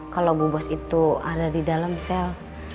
kalau bu bos itu ada di dalam sel